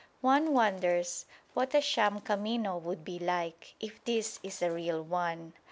One wonders what a sham "camino" would be like, if this is a "real" one.